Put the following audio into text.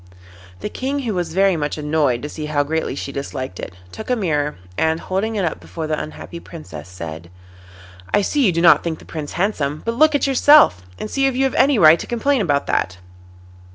The King, who was very much annoyed to see how greatly she disliked it, took a mirror, and holding it up before the unhappy Princess, said: 'I see you do not think the Prince handsome, but look at yourself, and see if you have any right to complain about that.